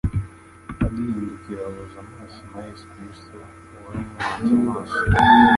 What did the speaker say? agihindukira ahuza amaso na Yesu Kristo wari umuhanze amaso.